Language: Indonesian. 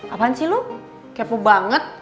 apaan sih lu kepo banget